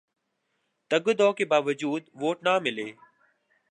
تگ و دو کے باوجود ووٹ نہ ملے